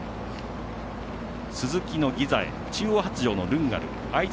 スズキのギザエ中央発條のルンガル